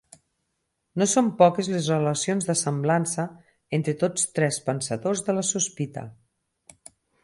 No són poques les relacions de semblança entre tots tres pensadors de la sospita.